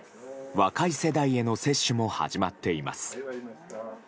若い世代への接種も始まっています。